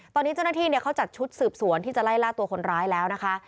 ตอนนี้เจ้าหน้าที่เขาจัดชุดสืบสวนที่จะไล่ล่าตัวคนร้ายแล้วนะคะ